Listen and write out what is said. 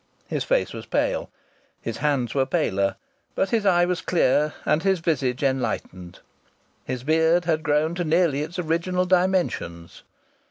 His face was pale his hands were paler; but his eye was clear and his visage enlightened. His beard had grown to nearly its original dimensions.